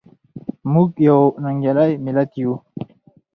موږ یو ننګیالی ملت یو.